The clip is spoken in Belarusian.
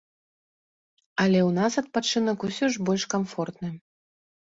Але ў нас адпачынак усё ж больш камфортны.